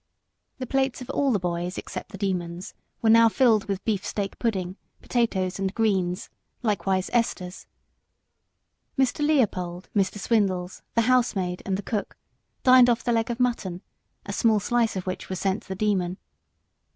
The plates of all the boys except the Demon's were now filled with beefsteak pudding, potatoes, and greens, likewise Esther's. Mr. Leopold, Mr. Swindles, the housemaid, and the cook dined off the leg of mutton, a small slice of which was sent to the Demon.